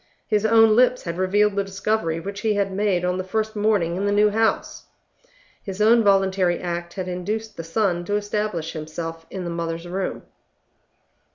His own lips had revealed the discovery which he had made on the first morning in the new house; his own voluntary act had induced the son to establish himself in the mother's room.